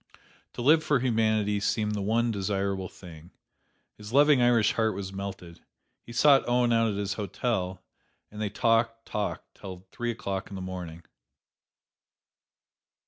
To live for humanity seemed the one desirable thing. His loving Irish heart was melted. He sought Owen out at his hotel, and they talked, talked till three o'clock in the morning.